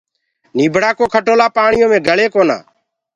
نيٚڀڙآ ڪو کٽولآ پآڻيو مي گݪي ڪونآ